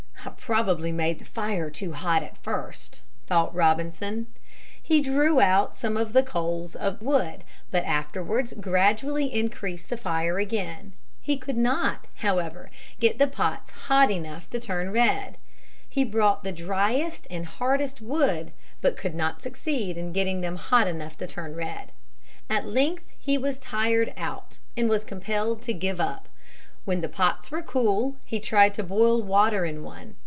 "I probably made the fire too hot at first," thought Robinson. He drew out some of the coals and wood, but afterwards gradually increased the fire again. He could not, however, get the pots hot enough to turn red. He brought the dryest and hardest wood, but could not succeed in getting them hot enough to turn red. At length he was tired out and was compelled to give it up. When the pots were cool he tried to boil water in one.